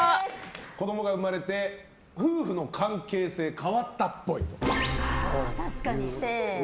子どもが生まれて夫婦の関係性変わったっぽい。